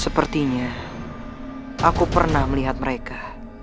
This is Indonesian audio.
sepertinya aku pernah melihat mereka